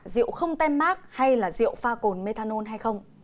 rượu không tem mát hay là rượu pha cồn methanol hay không